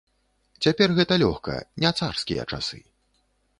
Цяпер гэта лёгка, не царскія часы.